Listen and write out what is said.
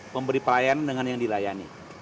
memberi pelayanan dengan yang dilayani